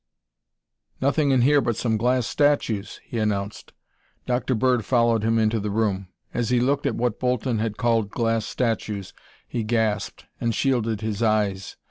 "Nothing in here but some glass statues," he announced. Dr. Bird followed him into the room. As he looked at what Bolton had called glass statues he gasped and shielded his eyes.